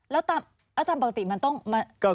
แล้วตามปกติมันต้องมา